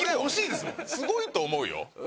すごいと思うよ。